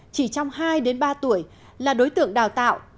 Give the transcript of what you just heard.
chỉ trong hai đến ba tuổi là đối tượng đào tạo